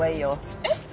えっ？